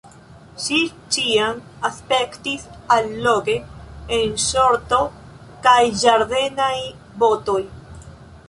Ŝi ĉiam aspektis alloge en ŝorto kaj ĝardenaj botoj.